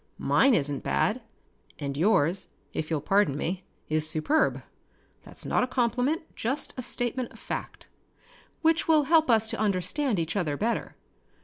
Mine isn't bad and yours, if you'll pardon me, is superb. That's not a compliment, just a statement of fact which will help us to understand each other better.